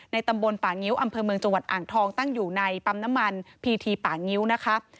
ตำบลป่างิ้วอำเภอเมืองจังหวัดอ่างทองตั้งอยู่ในปั๊มน้ำมันพีทีป่างิ้วนะคะ